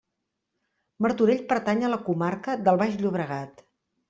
Martorell pertany a la comarca del Baix Llobregat.